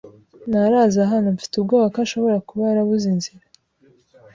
Ntaraza hano. Mfite ubwoba ko ashobora kuba yarabuze inzira.